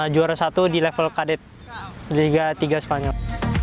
juara satu di level kdta tiga spanyol